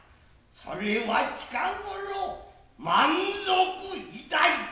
夫は近頃満足いたいた。